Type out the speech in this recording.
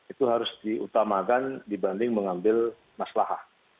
itu harus diutamakan dibanding mengambil masalah